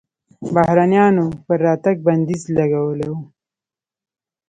بهرنیانو پر راتګ بندیز لګولی و.